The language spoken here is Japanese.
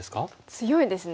強いですね。